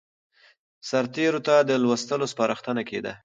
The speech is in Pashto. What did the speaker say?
سرتېرو ته د لوستلو سپارښتنه کېده.